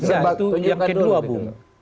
itu yang kedua bu